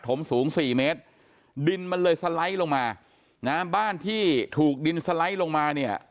มสูงสี่เมตรดินมันเลยสไลด์ลงมานะบ้านที่ถูกดินสไลด์ลงมาเนี่ย